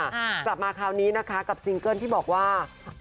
กลับมาคราวนี้นะคะกับซิงเกิ้ลที่บอกว่า